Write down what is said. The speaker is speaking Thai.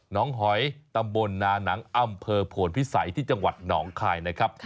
หอยตำบลนานังอำเภอโพนพิสัยที่จังหวัดหนองคายนะครับ